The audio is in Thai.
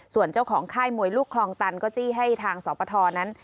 ส่วนเจ้าของค่ายมวยลูกคลองตันก็จี้ให้ทางสปทนั้น